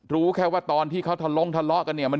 รู้แค่ว่าตอนที่เขาทะลงทะเลาะกันเนี่ย